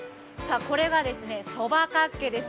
これが、そばかっけです。